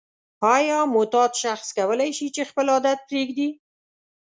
آیا معتاد شخص کولای شي چې خپل عادت پریږدي؟